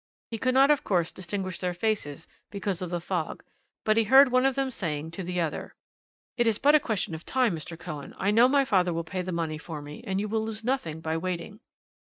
He could not, of course, distinguish their faces because of the fog, but he heard one of them saying to the other: "'It is but a question of time, Mr. Cohen. I know my father will pay the money for me, and you will lose nothing by waiting.'